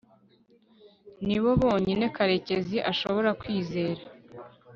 nibo bonyine karekezi ashobora kwizera